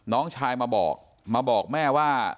น้องชายมาบอกมาบอกแม่ว่า